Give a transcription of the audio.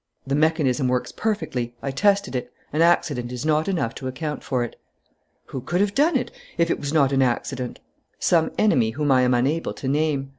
"The mechanism works perfectly. I tested it. An accident is not enough to account for it." "Who could have done it, if it was not an accident?" "Some enemy whom I am unable to name."